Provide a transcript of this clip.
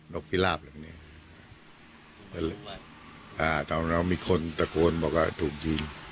นกพิลาปแหละอ่าตอนนั้นมีคนตะโกนบอกว่าถูกยิง